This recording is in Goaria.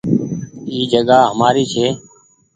اي جگآ همآري ڇي۔